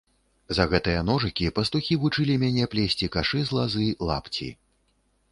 За гэтыя ножыкі пастухі вучылі мяне плесці кашы з лазы, лапці.